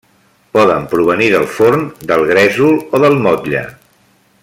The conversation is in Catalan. Poden provenir del forn, del gresol o del motlle.